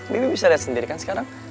lili bisa lihat sendiri kan sekarang